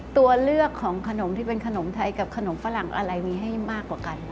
ตัวเลือกของขนมที่เป็นขนมไทยกับขนมฝรั่งอะไรมีให้มากกว่ากัน